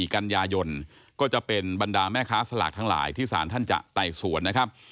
กัลยายนก็จะเป็นบรรดาแม่ศลากทั้งหลายที่ศาลท่านจะไต่สวน